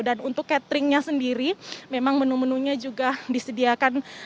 dan untuk cateringnya sendiri memang menu menunya juga disediakan